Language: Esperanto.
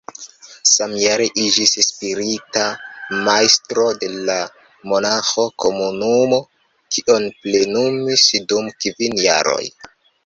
Samjare iĝis spirita majstro de la monaĥa komunumo, kion plenumis dum kvin jaroj.